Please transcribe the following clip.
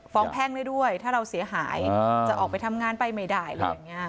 ฟ้องแพงได้ด้วยถ้าเราเสียหายจะออกไปทำงานไปไม่ได้